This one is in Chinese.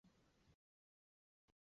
绍治帝曾御赐米字部起名。